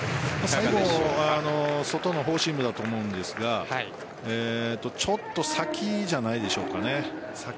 最後、外のフォーシームだと思うんですがちょっと先じゃないでしょうかね。